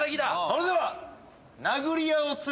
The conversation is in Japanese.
それでは。